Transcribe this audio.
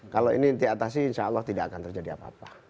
kalau ini diatasi insya allah tidak akan terjadi apa apa